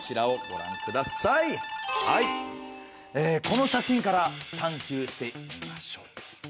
この写真から探究してみましょう。